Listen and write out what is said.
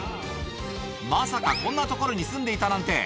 まさか、こんな所に住んでいたなんて。